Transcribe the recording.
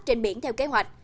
trên biển theo kế hoạch